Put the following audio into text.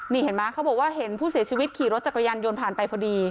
นี่เห็นไหมเขาบอกว่าเห็นผู้เสียชีวิตขี่รถจักรยานยนต์ผ่านไปพอดี